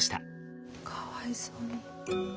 かわいそうに。